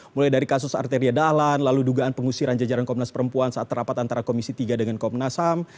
mulai dari kasus arteria dahlan lalu dugaan pengusiran jajaran komnas perempuan saat terapat antara komisi tiga dengan komnas ham